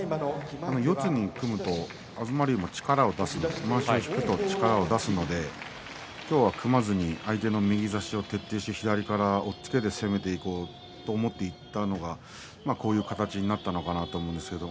四つに組むと東龍も力を出すので今日は組まずに相手の右差しを徹底して左から押っつけて攻めていこうといったのがこういう形になったのかなと思います。